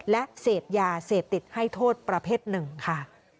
และเสพยาเสพติดให้โทษประเภทหนึ่งค่ะ